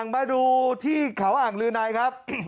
มาดูที่ขาวอ่างลืนายครับ